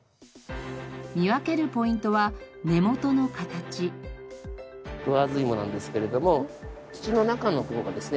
見分けるポイントはクワズイモなんですけれども土の中の方がですね